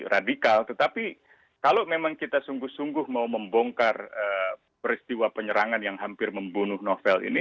radikal tetapi kalau memang kita sungguh sungguh mau membongkar peristiwa penyerangan yang hampir membunuh novel ini